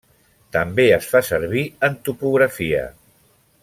També es fa servir en topografia.